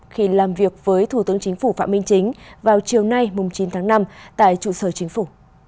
khi làm việc với thủ tướng chính phủ phạm minh chính vào chiều nay chín tháng năm tại trụ sở chính phủ